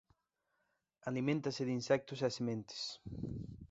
Aliméntase de insectos e sementes.